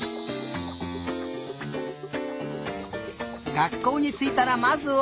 がっこうについたらまずは？